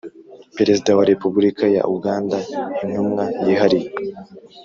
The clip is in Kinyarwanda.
perezida wa repubulika ya uganda intumwa yihariye